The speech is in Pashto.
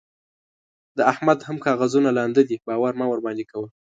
د احمد هم کاغذونه لانده دي؛ باور مه ورباندې کوه.